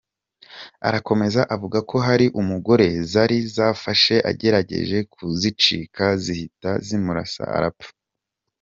Arakomeza avuga ko hari umugore zari zafashe agerageje kuzicika zihita zimurasa arapfa.